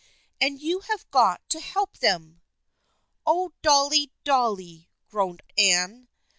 And you have got to help them." " Oh, Dolly, Dolly !" groaned Anne.